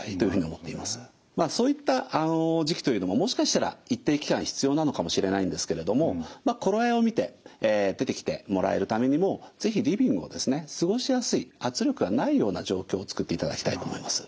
そういった時期というのももしかしたら一定期間必要なのかもしれないんですけれども頃合いを見て出てきてもらえるためにも是非リビングをですね過ごしやすい圧力がないような状況を作っていただきたいと思います。